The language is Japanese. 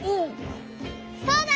そうだ！